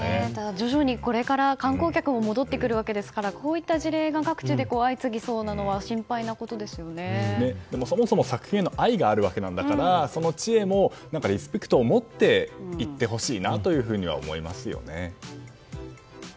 徐々にこれから観光客も戻ってくるわけですからこういった事例が各地で相次ぎそうなのはそもそも作品への愛があるわけだからその地へもリスペクトを持って行ってほしいなというふうには思いますよね。